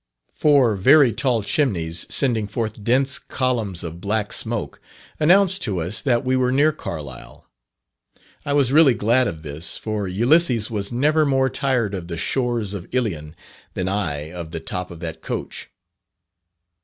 Four very tall chimneys, sending forth dense columns of black smoke, announced to us that we were near Carlisle. I was really glad of this, for Ulysses was never more tired of the shores of Ilion than I of the top of that coach.